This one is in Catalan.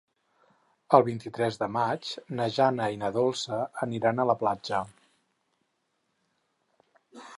El vint-i-tres de maig na Jana i na Dolça aniran a la platja.